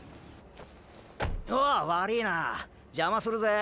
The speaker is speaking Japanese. おう悪りィな邪魔するぜ。